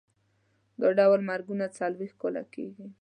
دا ډول مرګونه څلوېښت کاله کېږي.